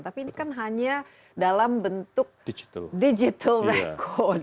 tapi ini kan hanya dalam bentuk digital record